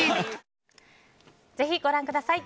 ぜひご覧ください。